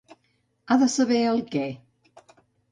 Ha de saber el què.